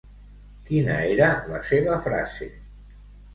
Quina era la seva frase?